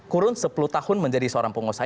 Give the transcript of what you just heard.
kurun sepuluh tahun menjadi seorang pengusaha